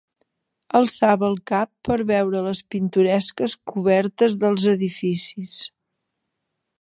Alçava el cap per veure les pintoresques cobertes dels edificis